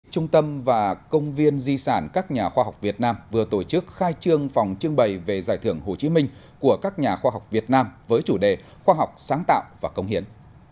trung tâm và công viên di sản các nhà khoa học việt nam vừa tổ chức khai trương phòng trương bày về giải thưởng hồ chí minh của các nhà khoa học việt nam với chủ đề khoa học sáng tạo và công hiến